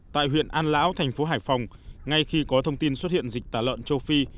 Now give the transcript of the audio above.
tại huyện an lão thành phố hải phòng ngay khi có thông tin xuất hiện dịch tả lợn châu phi